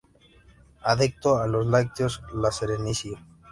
Adicto a los lácteos la Serenísima.